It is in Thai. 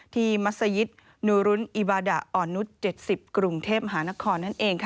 ที่มัศยิตนุรุณอิบาดะอ่อนนุษย์๗๐กรุงเทพฯมหานคร